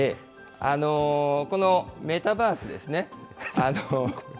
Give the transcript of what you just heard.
このメタバースですね。